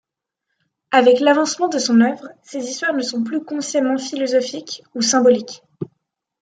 Avec l’avancement de son œuvre, ses histoires ne sont plus consciemment philosophiques ou symboliques.